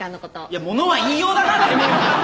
いやものは言いようだなてめぇ。